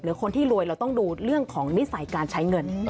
คนที่รวยเราต้องดูเรื่องของนิสัยการใช้เงิน